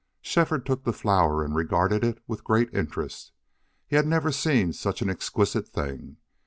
Shefford took the flower and regarded it with great interest. He had never seen such an exquisite thing.